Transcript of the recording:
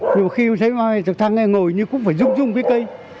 nhiều khi xe máy trực thăng ngay ngồi nhưng cũng phải rung rung cái cây